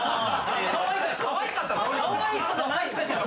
かわいかったの？